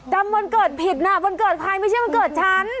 วันเกิดผิดน่ะวันเกิดใครไม่ใช่วันเกิดฉัน